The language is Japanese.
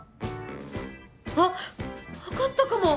あっわかったかも。